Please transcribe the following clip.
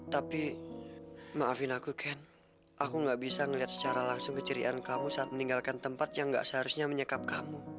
tapi maafin aku ken aku nggak bisa ngeliat secara langsung kecirian kamu saat meninggalkan tempat yang nggak seharusnya menyekap kamu